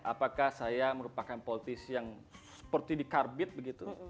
apakah saya merupakan politisi yang seperti di karbit begitu